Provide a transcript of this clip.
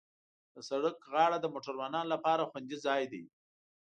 د سړک غاړه د موټروانو لپاره خوندي ځای دی.